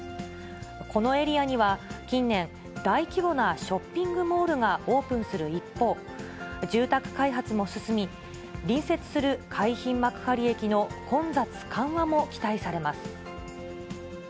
このエリアには、近年、大規模なショッピングモールがオープンする一方、住宅開発も進み、隣接する海浜幕張駅の混雑緩和も期待されます。